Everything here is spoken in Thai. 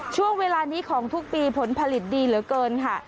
ช่วงเวลานี้ของทุกปีผลผลิตดีเหลือเกินค่ะ